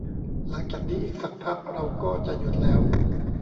หลังจากนี้อีกสักพักเราก็จะหยุดแล้ว